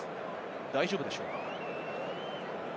大丈夫でしょうか。